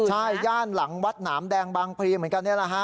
ใช่ย่านหลังวัดหนามแดงบางพลีเหมือนกันนี่แหละฮะ